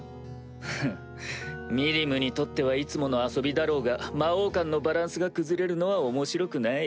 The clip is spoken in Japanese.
フッミリムにとってはいつもの遊びだろうが魔王間のバランスが崩れるのは面白くない。